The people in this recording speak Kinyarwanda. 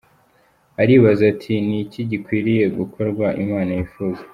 Aribaza ati ni iki gikwiriye gukorwa Imana yifuza?